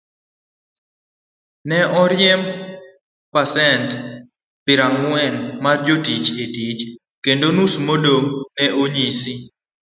Ne oriemb pasent pierang'wen mag jotich e tich, kendo nus modong' ne onyis